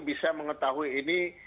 bisa mengetahui ini